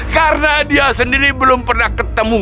karena dia sendiri belum pernah ketemu